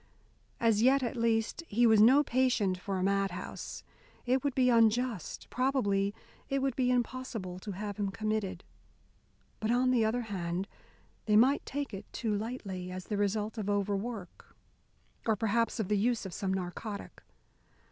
As yet, at least, he was no patient for a mad house: it would be unjust, probably it would be impossible to have him committed. But on the other hand they might take it too lightly, as the result of overwork, or perhaps of the use of some narcotic.